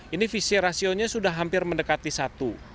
ini visi rasionya sudah hampir mendekati satu